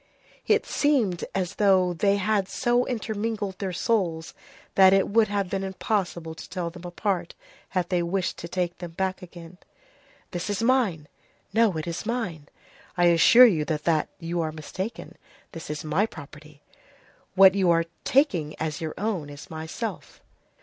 It seemed as though they had so intermingled their souls, that it would have been impossible to tell them apart had they wished to take them back again.—"This is mine." "No, it is mine." "I assure you that you are mistaken. This is my property." "What you are taking as your own is myself."